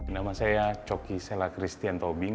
nama saya coki sela christian tobing